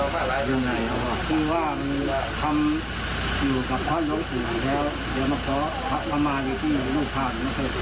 คือว่ามีคำอยู่กับพระลงสือลงปู่ครับ